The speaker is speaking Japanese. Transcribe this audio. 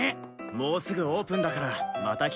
もうすぐオープンだからまた来てよ。